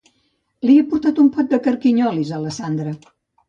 Li he portat un pot de carquinyolis a la Sandra